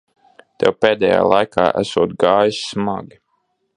Tev pēdējā laikā esot gājis smagi.